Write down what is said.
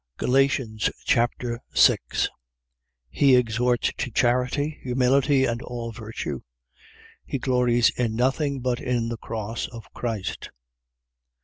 Galatians Chapter 6 He exhorts to charity, humility and all virtue. He glories in nothing but in the cross of Christ.